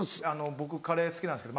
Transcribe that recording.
僕カレー好きなんですけど。